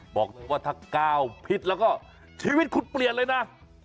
บอกว่าถ้าก้าวพิษแล้วก็ชีวิตคุณเปลี่ยนเลยนะ